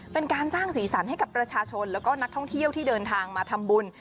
เป็นการสร้างสีสันให้กับประชาชนแล้วก็นักท่องเที่ยวที่เดินทางมาทำบุญ